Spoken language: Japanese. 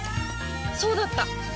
そうだった！